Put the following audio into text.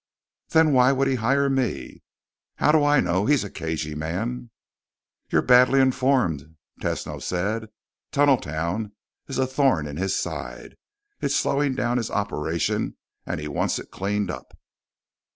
"Then why would he hire me?" "How do I know? He's a cagey man." "You're badly informed," Tesno said. "Tunneltown is a thorn in his side. It's slowing down his operation and he wants it cleaned up."